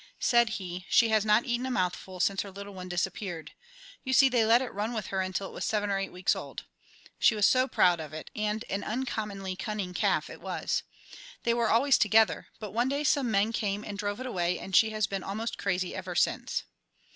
Said he: "She has not eaten a mouthful since her little one disappeared. You see they let it run with her until it was seven or eight weeks old. She was so proud of it; and an uncommonly cunning calf it was. They were always together; but one day some men came and drove it away and she has been almost crazy ever since."